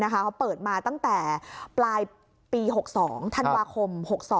เขาเปิดมาตั้งแต่ปลายปี๖๒ธันวาคม๖๒